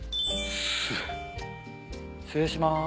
失礼します。